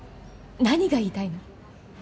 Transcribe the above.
何が言いたいの？